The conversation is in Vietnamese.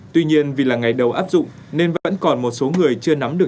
tuy nhiên vì là ngày đầu áp dụng nên vẫn còn một số người chưa nắm được